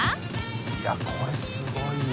いこれすごいよ。